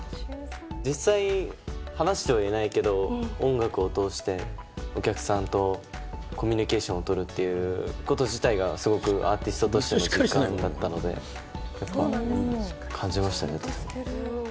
実際、話してはいないけど、音楽を通してお客さんとコミュニケーションを取るっていうこと自体がすごくアーティストとしての実感だったので、やっぱ感じましたね。